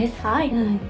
はい。